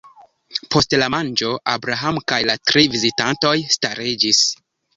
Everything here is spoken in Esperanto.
Post la manĝo, Abraham kaj la tri vizitantoj stariĝis.